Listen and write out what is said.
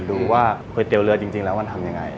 ดูว่าก๋วยเตี๋ยวเรือจริงแล้วมันทำยังไง